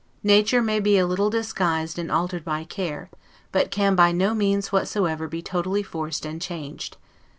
Nature may be a little disguised and altered by care; but can by no means whatsoever be totally forced and changed.